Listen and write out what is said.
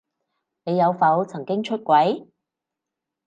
你有否曾經出軌？